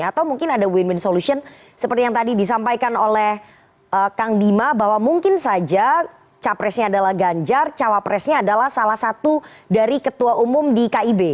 atau mungkin ada win win solution seperti yang tadi disampaikan oleh kang dima bahwa mungkin saja capresnya adalah ganjar cawapresnya adalah salah satu dari ketua umum di kib